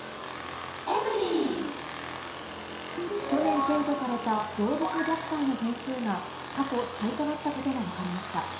去年検挙された動物虐待の件数が、過去最多だったことが分かりました。